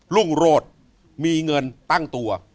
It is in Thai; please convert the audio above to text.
รุ่งโรธมีเงินตั้งตัว